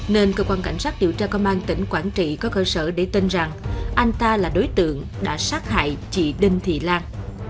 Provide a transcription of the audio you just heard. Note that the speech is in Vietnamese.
nên cơ quan cảnh sát điều tra công an tỉnh quảng trị có cơ sở để tin rằng anh ta là đối tượng đã sát hại chị đinh thị lan